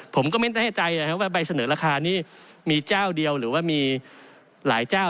ผมก็ไม่แน่ใจนะครับว่าใบเสนอราคานี้มีเจ้าเดียวหรือว่ามีหลายเจ้า